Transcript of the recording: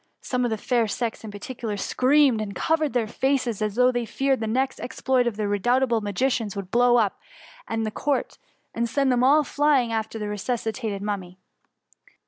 Some of the fair sex in par ticular screamed and covered their faces, as though they feared the next exploit of the re doubtable magicians would be to blow up the court, and send them all flying after the resus citated Mummy.